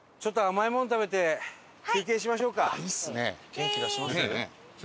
元気出します？